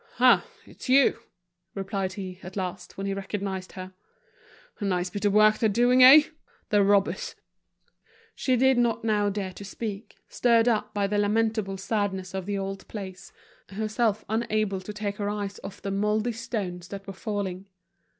"Ah! it's you," replied he, at last, when he recognized her. "A nice bit of work they're doing, eh? the robbers!" She did not now dare to speak, stirred up by the lamentable sadness of the old place, herself unable to take her eyes off the moldy stones that were falling.